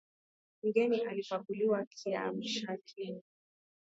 Mgeni alipakuliwa kiamshakinywa.